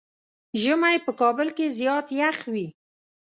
ژمی په کابل کې زيات يخ وي.